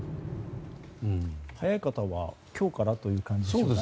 早い方は今日からという感じなんですね。